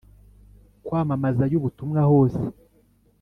kwamamazayo ubutumwa hose